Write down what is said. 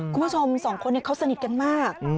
คุณผู้ชมสองคนนี้เขาสนิทกันมาก